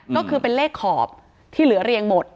ก็คือเป็นเลขขอบที่เหลือเรียงหมด